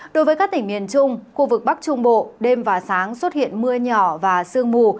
đối với các tỉnh miền trung khu vực bắc trung bộ đêm và sáng xuất hiện mưa nhỏ và sương mù